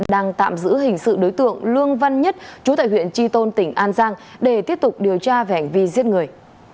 đang tạm giữ hình sự đối tượng lương văn nhất chú tại huyện tri tôn tỉnh an giang để tiếp tục điều tra về hành vi giết người